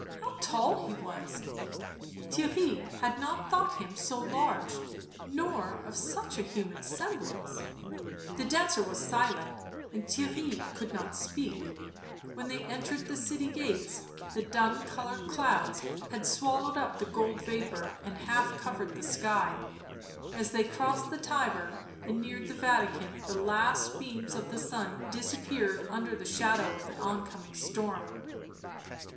. how tall he was !— Theirry had not thought him so large, nor of such a human semblance. The dancer was silent, and Theirry could not speak ; when they entered the city gates the dun coloured clouds had swallowed up the gold vapour and half covered the sky ; as they crossed the Tiber and neared the Vatican the last beams of the sun disappeared under the shadow of the oncoming storm.